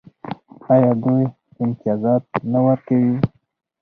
آیا دوی امتیازات نه ورکوي؟